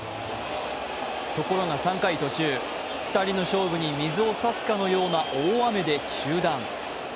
ところが３回途中、２人の勝負に水を差すかのうような大雨で中断。